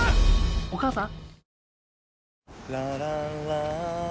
・お母さん！